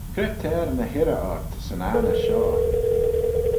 Cre t'er ny hirrey ort 'syn anney shoh?